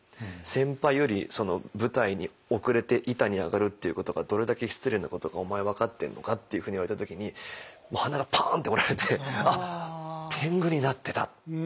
「先輩より舞台に遅れて板に上がるっていうことがどれだけ失礼なことかお前分かってるのか」っていうふうに言われた時に鼻がパンッて折られてあっ天狗になってた。